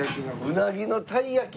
うなぎの鯛焼き？